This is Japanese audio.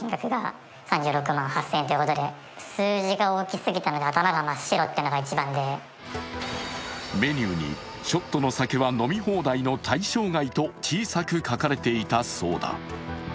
するとメニューにショットの酒は飲み放題の対象外と小さく書かれていたそうだ。